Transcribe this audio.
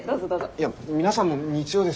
いや皆さんも日曜ですし。